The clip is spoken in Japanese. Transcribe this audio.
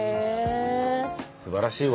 すばらしいわ。